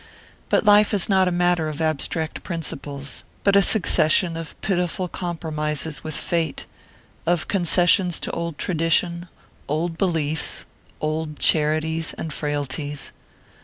But life is not a matter of abstract principles, but a succession of pitiful compromises with fate, of concessions to old tradition, old beliefs, old charities and frailties.